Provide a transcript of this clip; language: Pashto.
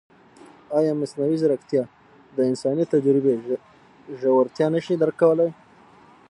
ایا مصنوعي ځیرکتیا د انساني تجربې ژورتیا نه شي درک کولی؟